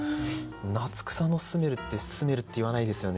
「夏草のスメル」って「スメル」っていわないですよね